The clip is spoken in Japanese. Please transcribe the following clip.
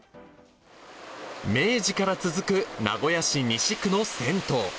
明治から続く、名古屋市西区の銭湯。